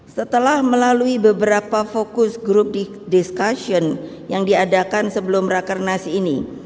setelah melalui beberapa fokus grup discussion yang diadakan sebelum rakernas ini